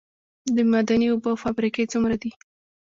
د معدني اوبو فابریکې څومره دي؟